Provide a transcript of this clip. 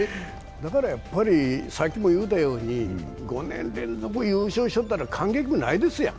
だからやっぱりさっきも言ったように５年連続優勝しちゃったら、感激、ないですやん。